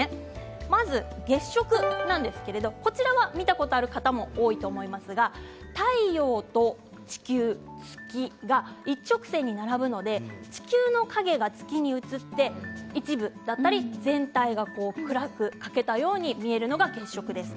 まず月食なんですけれどこちらは見たことある方も多いと思いますが太陽と地球、月が一直線に並ぶので地球の影が月に映って一部だったり全体が暗くなって欠けたようになる月食です。